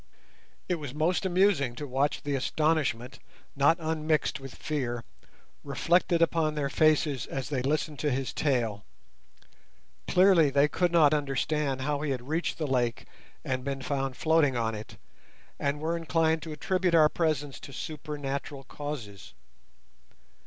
It was most amusing to watch the astonishment, not unmixed with fear, reflected upon their faces as they listened to his tale. Clearly they could not understand how we had reached the lake and been found floating on it, and were inclined to attribute our presence to supernatural causes.